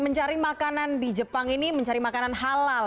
mencari makanan di jepang ini mencari makanan halal